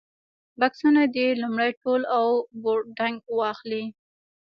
بکسونه دې لومړی تول او بورډنګ واخلي.